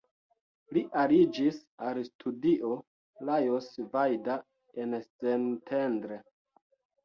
Li aliĝis al studio Lajos Vajda en Szentendre.